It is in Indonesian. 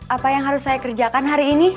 apa yang harus saya kerjakan hari ini